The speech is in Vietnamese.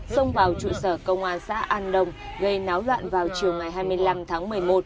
xông vào trụ sở công an xã an đồng gây náo loạn vào chiều ngày hai mươi năm tháng một mươi một